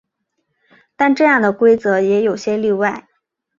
但这样的规则也有些例外。